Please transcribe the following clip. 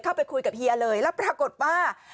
เข้าไปคุยกับเฮียเลยแล้วปรากฏว่า